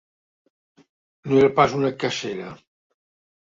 No era pas una cacera.